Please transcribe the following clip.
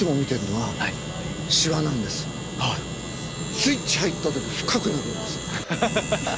スイッチ入った時深くなるんです。